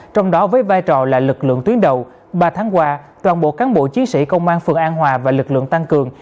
trong đó với vai trò là lực lượng tuyến đầu ba tháng qua toàn bộ cán bộ chiến sĩ công an phường an hòa và lực lượng tăng cường